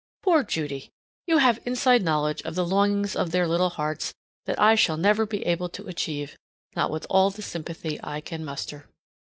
Poor Judy! You have inside knowledge of the longings of their little hearts that I shall never be able to achieve, not with all the sympathy I can muster.